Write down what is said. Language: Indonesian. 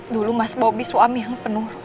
dulu mas bobby suami yang penurut